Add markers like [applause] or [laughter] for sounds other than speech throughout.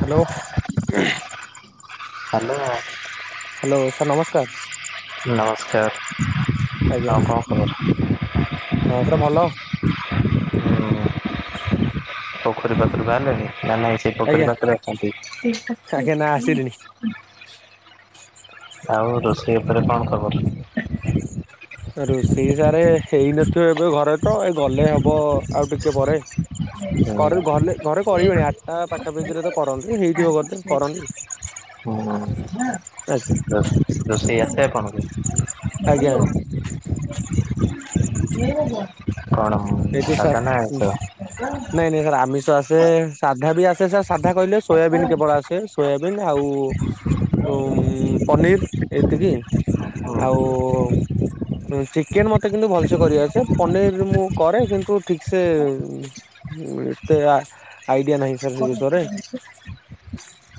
Hello hello. Hello sir ନମସ୍କାର। ନମସ୍କାର ଆଜ୍ଞା ଆଉ କଣ ଖବର? ହ ପୋଖରୀ ହଁ ସାର୍ ଭଲ କତିରୁ ବାହାରିଲେନି ନା ନାହିଁ? ସେ ଆଜ୍ଞା ପୋଖରୀ ପାଖରେ ଅଛନ୍ତି। ଆଜ୍ଞା ନା ଆସିଲିଣି ଆଉ ରୋଷେଇ ଉପରେ କଣ ଖବର। ରୋଷେଇ ସାରେ ହେଇନଥିବ ଏବେ ଘରେ ଏଇ ଗଲେ ହବ ଆଉ ଟିକେ ପରେ, ହୁଁ। ଘରେ ଗଲେ ଘରେ କରିବେନି ଆଠଟା ପାଖା ପିକିରେ ତ କରନ୍ତି ହେଇଥିବ ଗଲେ କରନ୍ତି ଆଜ୍ଞା। ହୁଁ ରୋଷେଇ ଆସେ ଆଜ୍ଞା ଆପଣଙ୍କୁୁ। ହ [unintelligible] କଣ ସାଧା ଏଇଠି ସାର୍ ନା ଆଇଁଷ। ନାଇଁ ନାଇଁ ସାର୍ ଆମିଷ ଆ ସେ ସାଧା ବି ଆସେ ସାର୍ ସାଧା କହିଲେ ସୋୟାବିନ୍ କେବଳ ଆସେ ସୋୟାବିନ୍ ଆଉ ଉଁ ପନିର୍ ଏତିକି ଆଉ ଚିକେନ୍ ମତେ କିନ୍ତୁ ଭଲସେ କରି ଆସେ ପନିର ମୁଁ କରେ କିନ୍ତୁ ଠିକସେ ଏତେ ଆସ ଆଇଡିଆ ନାହିଁ ସାର୍ ସେ ବିଷୟରେ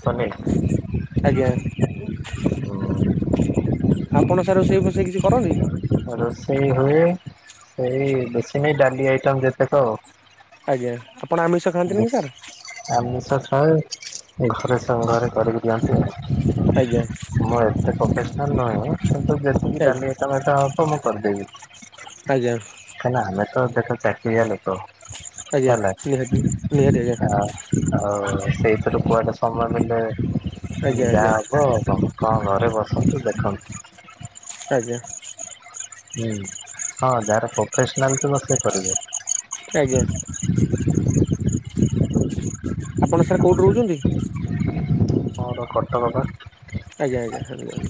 ପନିର। ଆଜ୍ଞା। ଆପଣ ସାର ରୋଷେଇ ଫୋଷେଇ କିଛି କରନ୍ତି? ରୋଷେଇ ହୁଏ ସେଇ ବେଶୀ ନାଇ ଡାଲି ଆଇଟମ୍ ଯେତେକ ଆଉ। ଆଜ୍ଞା ଆପଣ ଆମିଷ ଖାଆନ୍ତିନି କି ସାର୍। ଆମିଷ ଖାଏ ଘରେ ସୋମବାର କରିକିଦିଅନ୍ତିନି। ଆଜ୍ଞା। ମୁଁ ଏତେ ପ୍ରଫେସନାଲ ନୁହେଁ କିନ୍ତୁ ଯେତିକି ଆଜ୍ଞା ଡାଲି ଆଇଟମ ଘରିକା ମୁଁ କରିଦେବି। ଆଜ୍ଞା। ତ ଆମେ ତ ଦେଖ ଚାକରିଆ ଲୋକ। ଆଜ୍ଞା ହେଲା ନିହାତି ନିହାତି ଆଜ୍ଞା। ଆଉ ସେଇଥିରେ କୁଆଡେ ସମୟ ମିଳିଲେ ଆଜ୍ଞା ଯାହା ହବ ଆ କଣ କଣ ଘରେ ବସନ୍ତି ଦେଖନ୍ ଆଜ୍ଞା। ହୁଁ, ହଁ ଯାହାର ପ୍ରଫେସନାଲ୍ ଥିବ ସେ କରିବେ। ଆଜ୍ଞା। ଆପଣ ସାର୍ କୋଉଠି ରହୁଛନ୍ତି? ମୋର କଟକ ପା ଆଜ୍ଞା ଆଜ୍ଞା।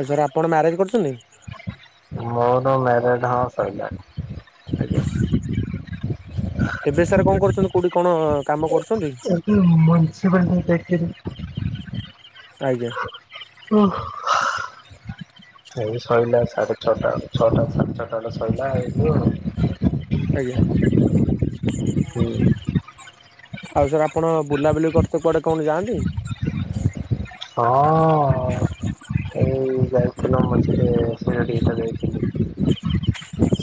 ଆଉ ସାର୍ ଆପଣ ମ୍ୟାରେଜ୍ କରଛନ୍ତି? ମୋର ମ୍ୟରେଜ ହଁ, ସଇଲାଣୀ। ଆଜ୍ଞା। ଏବେ ସାର୍ କଣ କରୁଛନ୍ତି, କୋଉଠି କଣ କାମ କରୁଛନ୍ତି? ମୁଲସି ପାଲଟି ଚାକିରି। ଆଜ୍ଞା। ଓ ହୋ। ଏଇ ସଇଲା ସାଢେ ଛଅଟା ଛଅଟା ସାଢେ ଛଅଟାରେ ସଇଲା, ଆଇଲୁ। ଆଜ୍ଞା। ଆଉ ସାର୍ ଆପଣ ବୁଲାବୁଲି କରତେ କୁଆଡେ କଣ ଯାଆନ୍ତି? ହଁ ଏଇ ଯାଇଥିଲି ମଝିରେ ସିରିଡି ଯାଇଥିଲି।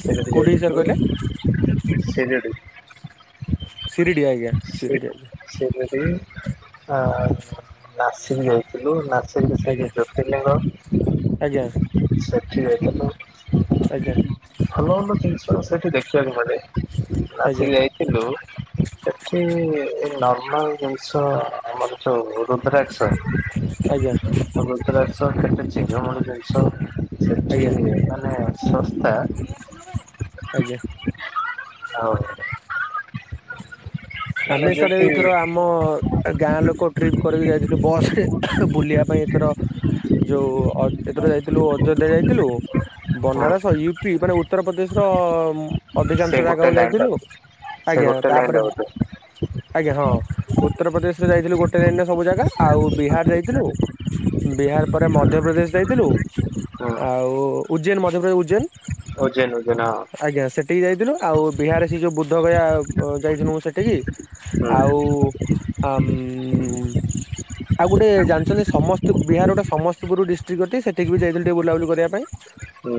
ଶିରିଡ଼ି କୋଉଠିକି ସାର୍ କହିଲେ? ଯାଇଥିଲୁ, ଶିରିଡି। ଶିରିଡି ଆଜ୍ଞା। ସି ଶିରିଡି ଆଜ୍ଞା। ଶିରିଡି ଆଉ ନାର୍ସିଂକ ଯାଇ ଥିଲୁ। ନାସିକ ସେ ଆଜ୍ଞା ଯୋଉ ଜୋତିର୍ଲିଂଗ ଆଜ୍ଞା ସେଠିକ ଯାଇଥିଲୁ। ଆଜ୍ଞା। ଭଲ ଭଲ ଜିନିଷ ସେଠି ଦେଖିବାକୁ ମିଳେ। ଆଜ୍ଞା ନାସିକ୍ ଯାଇଥିଲୁ ଏ ଏ ନର୍ମାଲ ଜିନିଷ ଆମର ଯେଉଁ ରୁଦ୍ରାକ୍ଷ‌ ଆଜ୍ଞା। ଭତ କେଟେ ଚମ ଜଷ [unintelligible] ଆଜ୍ଞା। ଶସ୍ତା। ଆଜ୍ଞା। ହଉ ମାନେ ଆମେ ସାର୍ ଯେମିତି ଏଇଥର ଆମ ଗାଁ ଲୋକ ଟ୍ରିପ୍ କରିକି ଯାଇଥିଲୁ ବସ ରେ ବୁଲିବା ପାଇଁ ଏଥର ଯୋଉ ଅ ଏଥର ଯାଇଥିଲୁ ଅଯୋଧ୍ୟା ଯାଇଥିଲୁ। ହଁ ବନାରସ ୟୁ ପି ମାନେ ଉତ୍ତରପ୍ରଦେଶର ସେ ଅଧିକାଂଶ ଗୋଟେ ଜାଗାକୁ ଲାଇନ ଯାଇଥିଲୁ। ଚାଲୁଛି ସେ ଆଜ୍ଞା, ଗୋଟେ ଲାଇନ ତାପରେ ଲାଗୁଛି ଆଜ୍ଞା ହଁ, ଉତ୍ତରପ୍ରଦେଶରେ ଯାଇଥିଲୁ। ଗୋଟେ ଲାଇନରେ ସବୁ ଜାଗା, ଆଉ ବିହାର ଯାଇଥିଲୁ। ବିହାର ପରେ ମଧ୍ୟପ୍ରଦେଶ ଯାଇଥିଲୁ। ଆଉ ଉଜ୍ଜୈନ ମଧ୍ୟପ୍ରଦେଶ ଉଜୈନ ଉଜେନ୍। ଆଜ୍ଞା ସେଠିକି ଯାଇଥିଲୁ। ଆଉ ବିହାରରେ ସେ ଯୋଉ ବୁଦ୍ଧ ଗୟା ଯାଇଥିଲୁ, ମୁଁ ସେଠିକି ହୁଁ ଆଉ ଅମ ଆଉ ଗୋଟେ ଜାଣିଛନ୍ତି ସମସ୍ତ ବିହାର ଗୋଟେ ସମସ୍ତିପୁର ଡିଷ୍ଟ୍ରିକ୍ଟ ସେଠିକି ବି ଯାଇଥିଲେ ଟିକେ ବୁଲାବୁଲି କରିବା ପାଇଁ‌। ହୁଁ।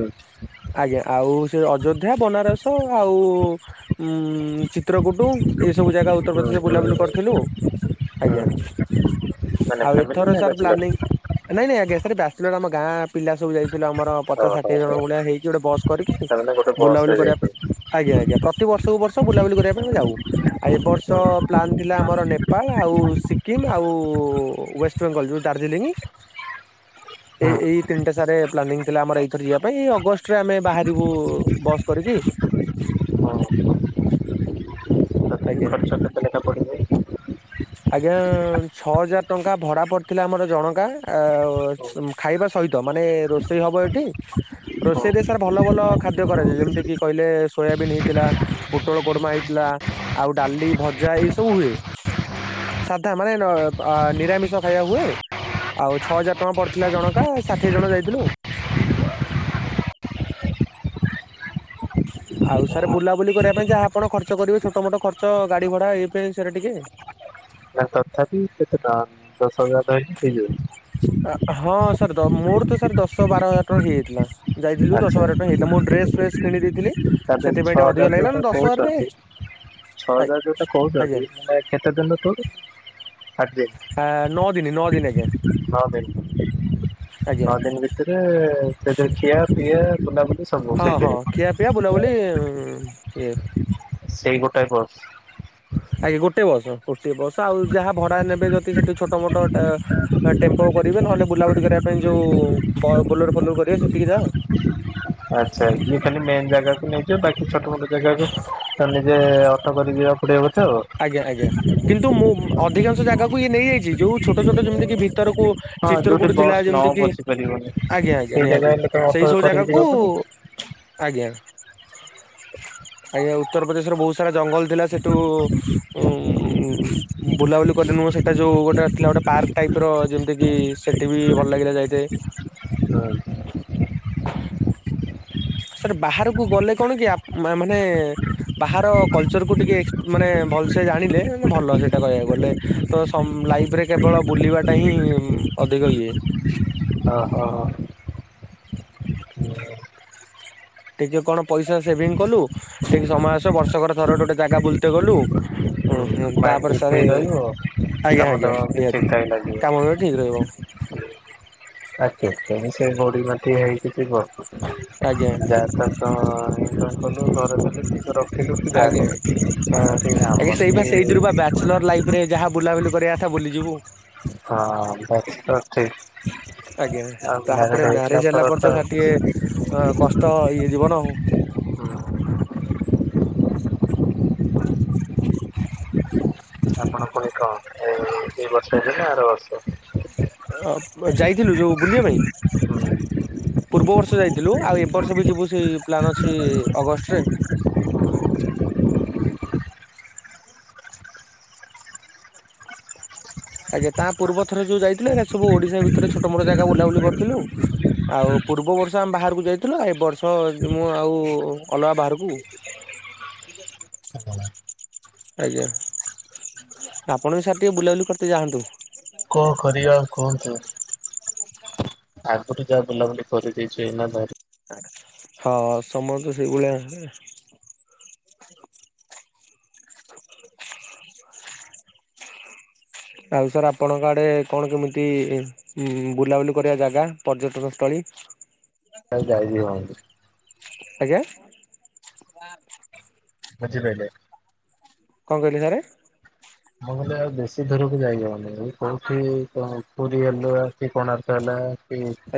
ଆଜ୍ଞା, ଆଉ ସେ ଅଯୋଧ୍ୟା, ବନାରସ ଆଉ ଉଁ ଚିତ୍ରକୂଟୁ, ଏ ଉତ୍ତର ହୁଁ ପ୍ରଦେଶ ହୁଁ ହୁଁ ବୁଲାବୁଲି କରିଥିଲୁ ହୁଁ ହୁଁ ଆଜ୍ଞା ମାନେ ଆଉ ଫ୍ୟାମିଲି ଏଥର ନା ସାର ବ୍ୟାଚଲର ପ୍ଲାନିଂଙ୍ଗ୍ ନାଇଁ ନାଇଁ ଆଜ୍ଞା ସାର ବ୍ୟାଚଲର ଆମ ଗାଁ ପିଲା ସବୁ ଯାଇଥିଲୁ ଆମର। ହଁ ପଚାଶ ହଁ ଷାଠିଏ ଜଣ ହଁ ଭଳିଆ ହେଇକି ଗୋଟେ ବସ୍ କରିକି ସେମାନେ ଗୋଟେ ବସ୍ ରେ ବୁଲାବୁଲି କରିବା ପାଇଁ ଯାଇଥିଲେ ଆଜ୍ଞା, ଆଜ୍ଞା, ପ୍ରତି ବର୍ଷକୁ ବର୍ଷ ବୁଲାବୁଲି କରିବା ପାଇଁ ଆମେ ଯାଉ। ଆଉ ଏ ହୁଁ ବର୍ଷ ହୁଁ ପ୍ଲାନ୍ ଥିଲା ଆମର ନେପାଳ ଆଉ ଶିକ କିିମ୍ ଆଉ ୱେଷ୍ଟବେଙ୍ଗଲ ଯୋଉ ଦାର୍ଜିଲିଂ। ଏ ଏଇ ତିନିଟା ସାର ପ୍ଲାନିଂ ଥିଲା ଆମର ଏଇଥର ଯିବା ପାଇଁ ଏଇ ଅଗଷ୍ଟ ରେ ଆମେ ବାହାରିବୁ ବସ୍ କରିକି ହୁଁ ତଥାପି ଆଜ୍ଞା। ଖର୍ଚ୍ଚ କେତେନାଖା ପଡ଼ିବ? ଆଜ୍ଞା ଛଅ ହଜାର ଟଙ୍କା ଭଡା ପଡିଥିଲା ଆମର ଜଣକା ଆ ହୁଁ ଅ ଖାଇବା ସହିତ ମାନେ ରୋଷେଇ ହବ ଏଠି ରୋଷେଇରେ ହୁଁ ସାର୍ ଭଲ ଭଲ ଖାଦ୍ୟ କରାଯାଏ ଯେମିତି କିି କହିଲେ ସୋୟାବିନ୍ ହେଇଥିଲା। ପୋଟଳ କୁରମା ହେଇଥିଲା ଆଉ ଡାଲି ଭଜା ଏଇ ସବୁ ହୁଏ। ସାଧା ମାନେ ନ ଆ ନିରାମିଷ ଖାଇବା ହୁଏ। ଆଉ ଛଅ ହଜାର ଟଙ୍କା ପଡିଥିଲା ଜଣକା ଷାଠିଏ ଜଣ ଯାଇଥିଲୁ ଆଉ। ଆଉ ସାର ବୁଲାବୁଲି କରିବା ପାଇଁ ଯାହା ଆପଣ ଖର୍ଚ୍ଚ କରିବେ ଛୋଟ ମୋଟ ଖର୍ଚ୍ଚ ଗାଡି ଭଡା ଏଇ ପାଇଁ ସେଇଟା ଟିକେ। ନା ତଥାପି କେତେ ଟଙ୍କା ଦଶ ହଜାର ଧରିକି ହେଇଯିବନି ଆଁ ହଁ ସାର୍ ଦ ମୋର ତ ସାର୍ ଦଶ ବାର ହଜାର ଟଙ୍କା ହେଇଯାଇଥିଲା। ଯାଇଥିଲୁ ଦଶ ଆଚ୍ଛା ବାର ହଜ଼ାର ହେଇଥିଲା ମୁଁ ଡ୍ରେସ ଫେସ୍ କିଣି ଦେଇଥିଲି ତାପରେ ସେଥିପାଇଁ ଛଅ ଟିକେ ଅଧିକ ହଜାର ଲାଗିଲା ଯୋଉଟା ନା ଦଶ ହଜ଼ାର କହୁଛନ୍ତି ରେ ଛଅ ହଜାର ଯୋଉଁଟା କହୁଛନ୍ତି ମାନେ କେତେ ଦିନ ତୁ ଦେଇ ସାତ୍ ଦିନ୍? ନଅ ଦିନ ନଅ ଦିନ ଆଜ୍ଞା ନଅ ଦିନ ଆଜ୍ଞା ନଅ ଦିନ ଭିତରେ ରେ ସେଥିରେ ଖିଆ ପିଆ ବୁଲା ବୁଲି ହଁ, ହଁ ଖିଆ ପିଆ ବୁଲାବୁଲି ଇଏ ଇଁ ସେଇ ଗୋଟାଏ ବସ୍। ଆଜ୍ଞା ଗୋଟେ ବସ୍ ଗୋଟଏ ବସ୍ ଆଉ ଯାହା ଭଡା ନେବେ ଯଦି ସେଠି ଛୋଟ ମୋଟ ଅ ଟେମ୍ପୋ କରିବେ ନହେଲେ ବୁଲାବୁଲି କରିବା ପାଇଁ ଯୋଉ ବ ବୋଲୋର ଫୋଲୋର କରିବେ ସେତିକି ଯା ଆ ଆଚ୍ଛା ଆ ଇଏ ଖାଲି ମେନ୍ ଜାଗାକୁ ନେଉଚ ବାକି ଛୋଟମୋଟ ଜାଗାକୁ ନିଜେ ଅଠୋ କରି ଯିବା ଏକୁଟିଆ ଖର୍ଚ୍ଚ ଆଉ ଆଜ୍ଞା, ଆଜ୍ଞା କିନ୍ତୁ ମୁଁ ଅଧିକାଂଶ ଜାଗାକୁ ଇଏ ନେଇଯାଇଛି ଯୋଉ ଛୋଟ ଛୋଟ ଯେମିତି କିି ଭିତରକୁ ହଁ ଚିତ୍ର ଯୋଉଠି କୁଟ ଥିଲା ବସ୍ ନ ଯେମିତି କିି ବସି ପାରିବନି ଆଜ୍ଞା, ଆଜ୍ଞା ସେଇ ଜାଗା ନିହାତି ହେଲେ ତମେ ସେଇ ଅଟୋ ସବୁ କରିକି ଜାଗାକୁ ଯିବାକୁ ପଡିବ ଆଜ୍ଞା, ଆଜ୍ଞା ଉତ୍ତରପ୍ରଦେଶର ବହୁତ ସାରା ଜଙ୍ଗଲ ଥିଲା ସେଠୁ ଉଁମ୍ ବୁଲାବୁଲି କରିନୁ ସେଟା ଯୋଉ ଗୋଟେ ଥିଲା ଗୋଟେ ପାର୍କ ଟାଇପ ର ଯେମିତି କି ସେଠି ବି ଭଲ ଲାଗିଲା ଯାଇତେ। [inaudible] ସାର୍ ବାହାରକୁ ଗଲେ କଣ କି ଆ ମାନେ ବାହାର କଲଚର କୁ ଟିକେ ଏକ୍ସ ମାନେ ଭଲସେ ଜାଣିଲେ ମେ ଭଲ ସେଇଟା କହିବାକୁ ଗଲେ। ତ ସମ ଲାଇଫରେ କେବଳ ବୁଲିବାଟା ହିଁ ଉମ ଅଧିକ ଇଏ ଓ ହଁ ହଁ। ଟିକେ କଣ ପଇସା ସେଭିଙ୍ଗ କଲୁ ଟିକେ ସମୟ ଆଶିବ ବର୍ଷକର ଥର ଗୋଟେ ଜାଗା ବୁଲିତେ ଗଲୁ ଉଁ ହୁଁ ମାଇଣ୍ଡ ବି ତାପରେ ଫ୍ରି ସାର୍, ରହିବ କାମ ଆଜ୍ଞା ଦାମ ଆଜ୍ଞା ନିହାତି କାମ କଲେ ଠିକ୍ ରହିବ। ଆଜ୍ଞା [unintelligible] କିଛି ଆଜ୍ଞା। କରନ୍ତୁ ଯାତା ତ ଇସ କଲୁ ଘର କଲୁ। ରଖିଲୁ କି ଆଜ୍ଞା ଯାହା ଆଜ୍ଞା କଲୁ, ତା ହଁ ପାଇଁ ଆଜ୍ଞା ଆମର ବି [unintelligible] ବା ବ୍ୟାଚଲର୍ ଲାଇଫରେ ଯାହା ବୁଲାବୁଲି କରିବା କଥା ବୁଲିଯିବୁ। ହଁ ବ୍ୟାଚଲର୍ ଠିକ୍। ଆଜ୍ଞା ତାପରେ ମ୍ୟାରେଜ ହେଲା ପରେ, ପରଠୁ ତ ଆଉ ସାର୍ ଟିକେ କିଛି ଅ କଷ୍ଟ ଇଏ ଜୀବନ ଆଉ। ହୁଁ ଆପଣ ପୁଣି କଣ ଏଇ ଏଇ ବର୍ଷ ଯିବେ ନା ଆର ବର୍ଷ? ଅ ଯାଇଥିଲୁ ଯୋଉ ବୁଲିବା ପାଇଁ? ପୂର୍ବ ବର୍ଷ ଯାଇଥିଲୁ, ଆଉ ଏ ବର୍ଷ ବି ଯିବୁ ସେଇ ପ୍ଲାନ୍ ଅଛି ଅଗଷ୍ଟରେ। ଆଜ୍ଞା ତା ପୂର୍ବଥରେ ଯୋଉ ଯାଇଥିଲେ, [unintelligible] ସବୁ ଓଡିଶା ଭିତରେ ଛୋଟ ମୋଟ ଜାଗା ବୁଲାବୁଲି କରିଥିଲୁ। ଆଉ ପୂର୍ବ ବର୍ଷ ଆମେ ବାହାରକୁ ଯାଇଥିଲୁ, ଏ ବର୍ଷ ମୁଁ ଆଉ ଅଲଗା ବାହାରକୁ ଆଜ୍ଞା ଆପଣ ବି ସାର୍ ଟିକେ ବୁଲାବୁଲି କରିତେ ଯାଆନ୍ତୁ। କଣ କରିବା କୁହନ୍ତୁ? ଆଗଠୁ ଯାହା ବୁଲାବୁଲି କରିଦେଇଛ ଏଇନା ହଁ ସମସ୍ତେ ସେଇଭଳିଆ ଆଉ ସାର୍ ଆପଣଙ୍କ ଆଡେ କଣ କେମିତି? ଉଁ ବୁଲାବୁଲି କରିବା ଜାଗା, ପର୍ଯ୍ୟଟନ ସ୍ଥଳୀ? ଆଉ ଯାଇ ବି ହଉନି। ଆଜ୍ଞା। ବୁଝିପାଇଲେ? କଣ କହିଲେ ସାର୍? ମୁଁ କହିଲି ଆଉ ବେଶୀ ଦୂରକୁ ଯାଇହବନି, ଏ କୋଉଠି ପୁରୀ ହେଲା, କି କୋଣାର୍କ ହେଲା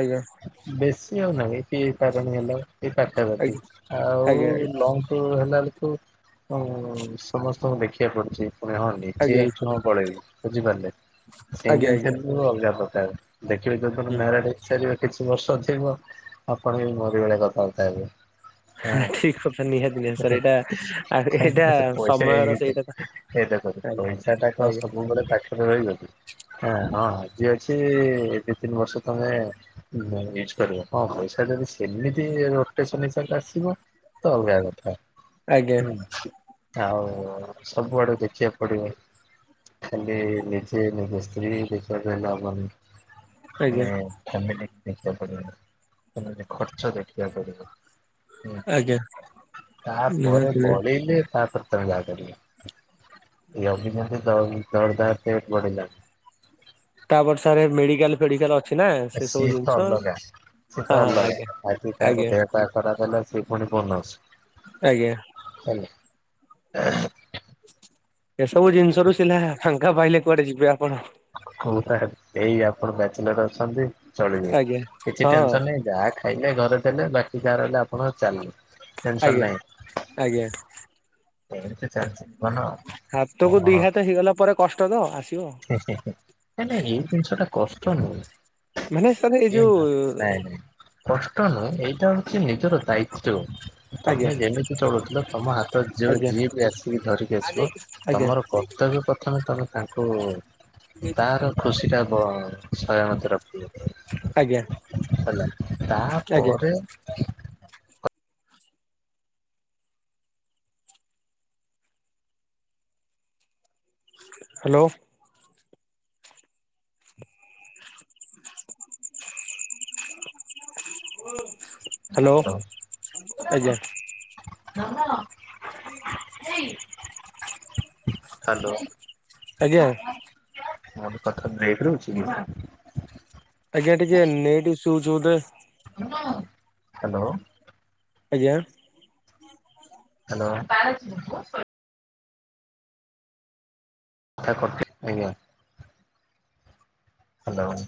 ଆଜ୍ଞା ବେଶୀ ଆଉ ନାହିଁ ତାରେଣୀ ହେଲା। ଏଇ ପାଖାପାଖି, ଆଜ୍ଞା ଆଉ ଆଜ୍ଞା ଲଙ୍ଗ ଟୁର୍ ହେଲା ବେଳକୁ ସମସ୍ତଙ୍କୁ ଦେଖିବାକୁ ପଡୁଛି, ପୁଣି ହଁ ନିଜେ ଆଜ୍ଞା ହେଇଛୁ ହଁ ପଳେଇବୁ ବୁଝିପାରିଲେ। ଆଜ୍ଞା ସିଙ୍ଗଲ୍ ଆଜ୍ଞା ଥିଲୁ ଅଲଗା ପ୍ରକାର, ଦେଖିବି ଯୋଉଦିନ ହୁଁ ମ୍ୟାରେଡ୍ ସାରିବେ କିଛି ବର୍ଷ ଥିବ, ଆପଣ ବି ମୋରି ଭଳି କଥାବାର୍ତ୍ତା ହେବେ। ଠିକ କଥା ନିହାତି ହଁ ନିହାତି ସାର୍ ଏଇଟା ଏଇଟା [unintelligible] ପଇସା ସମୟର ଏଟା ସେଇଟା ତ କର। ଆଜ୍ଞା। ପଇସାଟା କଣ ଆଜ୍ଞା ସବୁବେଳେ ପାଖରେ ରହିବ କି? ହଁ- ହଁ ଆଜି ଅଛି ଏ ଦି ତିନି ବର୍ଷ ତଳେ ନା ୟୁଜ କରିବ, ହଁ ପଇସା ଯଦି ସେମିତି ରୋଟେସନ ହିସାବରେ ଆସିବ। ତ ଅଲଗା କଥା ଆଜ୍ଞା ହୁଁ ଆଉ ସବୁଆଡେ ଦେଖିବା କୁ ପଡ଼ିିବ। ଖାଲି ନିଜେ, ନିଜ ସ୍ତ୍ରୀ ଦେଖି [unintelligible] ହେଲେ ହବନି। ମାନେ ଆଜ୍ଞା ଫ୍ୟାମିଲି ଦେଖିଆକୁ ପଡିବନି, ମାନେ ଖର୍ଚ୍ଚ ଦେଖିଆକୁ ପଡିବ। ହୁଁ ଆଜ୍ଞା ତାପରେ ନିହାତି ନିହାତି ବଳିଲେ, ତାପରେ ତମେ ଯାହା କରିବ। [unintelligible] ଯେମତି [unintelligible] ପେଟ ବଢିଲାଣି। ତାପରେ ସାର୍ ମେଡିକାଲ୍ ଫେଡିକାଲ୍ ଅ ସିଏ ତ ଅଲଗା ସିଏ ହଁ ତ ହଁ ଆଜ୍ଞା ଅଲଗା, ଆଜି ତାର ଆଜ୍ଞା ଦେହଟା ଖରା ତାହେଲେ ସେପଟେ [unintelligible] ଆଜ୍ଞା। ଏସବୁ ଜିନିଷରୁ ସିନା ଫାଙ୍କା ପାଇଲେ କୁଆଡେ ଯିବେ ଆପଣ। ହ ତା ଏ ଆପଣ ବ୍ୟାଚଲର ଅଛନ୍ତି ଚଳିବ, ଆଜ୍ଞା କିଛି ହଁ ଟେନସନ ନାାଇଁ ଯାହା ଖାଇଲେ, ଘରେ ଦେଲେ ବାକି ଯାହା ରହିଲା ଆପଣ ଚାଲିଲେ। ଟେନସନ ଆଜ୍ଞା ନାହିଁ ଆଜ୍ଞା। ଏମିତି ଚାଲିଛି ଜୀବନ ଆଉ ହାତ କୁ କଣ ଦି ହାତ ହେଇଗଲା ପରେ କଷ୍ଟ ତ ଆସିବ। ନାଇଁ ନାଇଁ ଜିନିଷ ଟା କଷ୍ଟ ନୁହଁ। ମାନେ ସାର୍ ଏଇ ଯଉ କଷ୍ଟ ନୁହେଁ ଏଇଟା ହଉଛି ନିଜର ଦାୟିତ୍ଵ। ଆଜ୍ଞା ତମେ ଯେମିତି ଚଳୁଥିଲ ତମ ହାତ ଯ ଆଜ୍ଞା ଯିଏ ବି ଆସିକି ଧରିକି ଆସିବ ଆଜ୍ଞା ତମର କର୍ତ୍ତବ୍ୟ ପ୍ରଥମେ ତମେ କା ତାର ଖୁଷିଟା କଣ ସୟାମତି ଆଜ୍ଞା ରଖିବ। ହେଲା ଆଜ୍ଞା। ତାପରେ ହ୍ୟାଲୋ। ହୁଁ। ଆଜ୍ଞା [unintelligible] [unintelligible] ହେଇ [unintelligible] ହ୍ୟାଲୋ ଆଜ୍ଞା ହଁ ଭାଇ। ମୋର କଥା ବ୍ରେକ୍ ରହୁଛି କି। ଆଜ୍ଞା ଟିକେ ନେଟେ ଇସୁ ହଉଛି ବୋଧେ। ହ୍ୟାଲୋ। ଆଜ୍ଞା। ହ୍ୟାଲୋ। ତାକଥେ ଆଜ୍ଞା। ହ୍ୟାଲୋ।